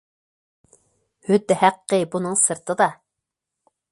ھۆددە ھەققى بۇنىڭ سىرتىدا.